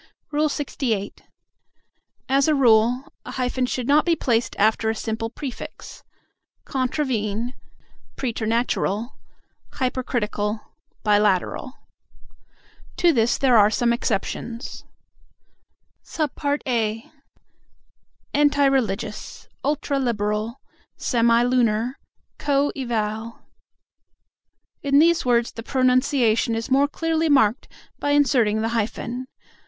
LXVIII. As a rule, a hyphen should not be placed after a simple prefix: "contravene," "preternatural," "hypercritical," "bilateral." To this there are some exceptions: (a) "Anti religious," "ultra liberal," "semi lunar," "co eval." In these words the pronunciation is more clearly marked by inserting the hyphen.